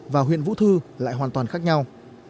và huyện vũ thư lại hoàn toàn khác nhau